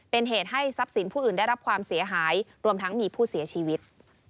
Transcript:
เป็นเหตุให้ทรัพย์สินผู้อื่นได้รับความเสียหายรวมทั้งมีผู้เสียชีวิต